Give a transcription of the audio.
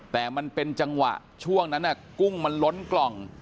แต่มันเป็นจังหวะช่วงนั้นกุ้งมันล้นกล่อง